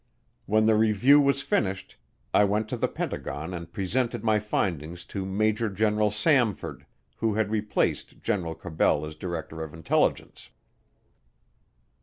When the review was finished, I went to the Pentagon and presented my findings to Major General Samford, who had replaced General Cabell as Director of Intelligence.